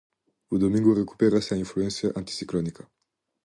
O domingo recupérase a influencia anticiclónica.